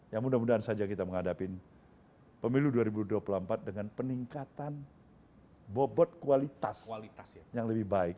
ya mudah mudahan saja kita menghadapi pemilu dua ribu dua puluh empat dengan peningkatan bobot kualitas yang lebih baik